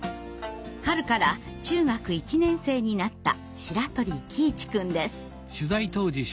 春から中学１年生になった白鳥喜一くんです。